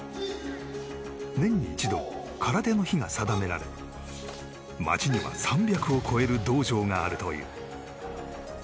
年に一度、空手の日が定められ街には、３００を超える道場があるという。